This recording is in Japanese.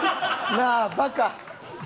なあバカ。